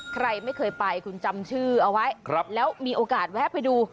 ใครไม่เคยไปคุณจำชื่อเอาไว้แล้วมีโอกาสแวะไปดู